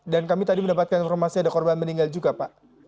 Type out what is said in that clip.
dan kami tadi mendapatkan informasi ada korban meninggal juga pak